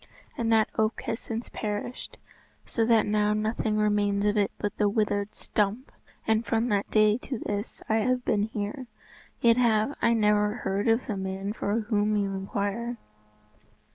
And that oak has since perished, so that now nothing remains of it but the withered stump; and from that day to this I have been here, yet have I never heard of the man for whom you inquire.